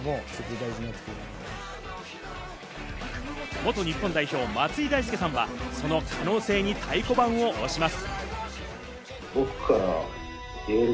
元日本代表・松井大輔さんはその可能性に太鼓判を押します。